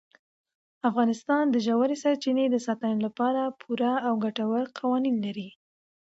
افغانستان د ژورې سرچینې د ساتنې لپاره پوره او ګټور قوانین لري.